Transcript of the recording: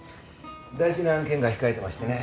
大事な案件が控えてましてね。